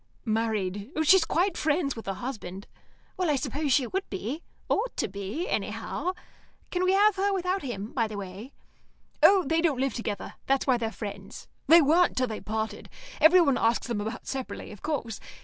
"Married. She's quite friends with her husband." "Well, I suppose she would be. Ought to be, anyhow. Can we have her without him, by the way?" "Oh, they don't live together. That's why they're friends. They weren't till they parted. Everyone asks them about separately of course.